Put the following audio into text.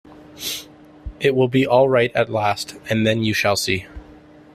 It will be all right at last, and then you shall see!